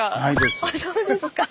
あそうですか。